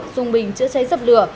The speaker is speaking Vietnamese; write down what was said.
dùng bình chữa cháy dập lửa